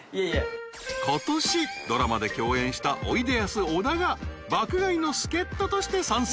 ［ことしドラマで共演したおいでやす小田が爆買いの助っ人として参戦］